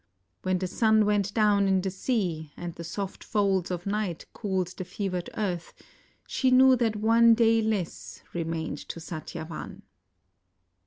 When the sun went down in the sea and the soft folds of night cooled the fevered earth, she knew that one day less remained to Satyavan.